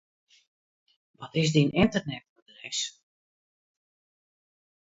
Wat is dyn ynternetadres?